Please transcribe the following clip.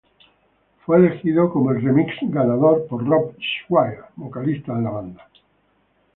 Fue elegido como el remix ganador por Rob Swire, vocalista de la banda.